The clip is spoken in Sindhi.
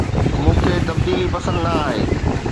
مون کي تبديلي پسند نه آهي